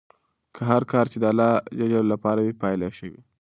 هر کار چې د الله لپاره وي پایله یې ښه وي.